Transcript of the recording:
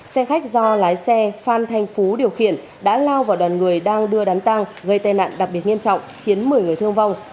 xe khách do lái xe phan thanh phú điều khiển đã lao vào đoàn người đang đưa đán tăng gây tai nạn đặc biệt nghiêm trọng khiến một mươi người thương vong